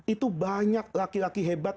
itu banyak laki laki hebat